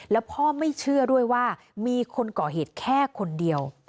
แล้วพ่อไม่เชื่อด้วยว่ามีคนก่อเหตุแค่คนเดียว